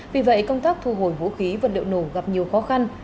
vì vậy công tác thu hồi vũ khí vật liệu nổ gặp nhiều khó khăn